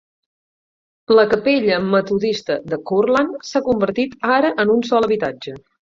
La capella metodista de Curland s'ha convertit ara en un sol habitatge.